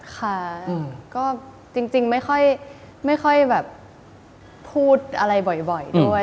ค่ะก็จริงไม่ค่อยแบบพูดอะไรบ่อยด้วย